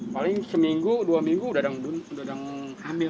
paling seminggu dua minggu udah udah hamil